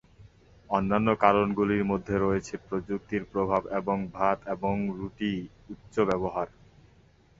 অন্যান্য কারণগুলির মধ্যে রয়েছে প্রযুক্তির প্রভাব এবং ভাত এবং রুটির উচ্চ ব্যবহার।